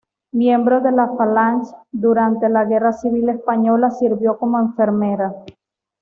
Miembro de la Falange, durante la Guerra civil española sirvió como enfermera.